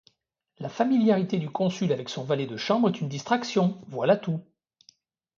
La familiarité du Consul avec son valet de chambre est une distraction, voilà tout !